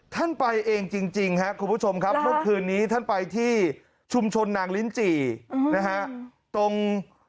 ท่านไปเองจริงครับคุณผู้ชมครับเมื่อคืนนี้ท่านไปที่ชุมชนนางลิ้นจี่นะฮะตรง